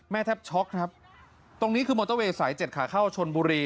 แทบช็อกครับตรงนี้คือมอเตอร์เวย์สาย๗ขาเข้าชนบุรี